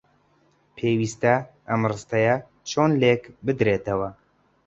پێویستە ئەم ڕستەیە چۆن لێک بدرێتەوە؟